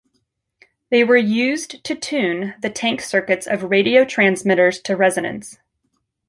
They were used to tune the tank circuits of radio transmitters to resonance.